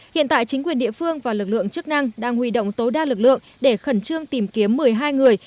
hiện tại chính quyền địa phương và lực lượng chức năng đang huy động tối đa lực lượng để khẩn trương tìm kiếm một mươi hai người